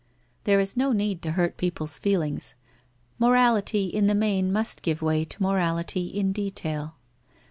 There is no need to hurt people's feelings; mo rality in the main must give way to morality in detail.